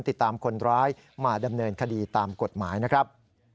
ติดตามคนร้ายมาดำเนินคดีตามกฎหมายนะครับ